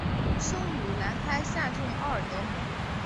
生于兰开夏郡奥尔德姆。